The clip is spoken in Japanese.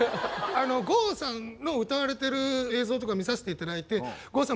郷さんの歌われてる映像とか見させて頂いて郷さん